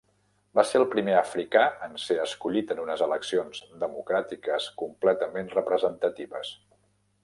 Va ser el primer africà en ser escollit en unes eleccions democràtiques completament representatives.